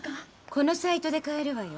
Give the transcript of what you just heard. このサイトで買えるわよ。